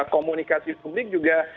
komunikasi publik juga